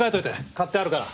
買ってあるから。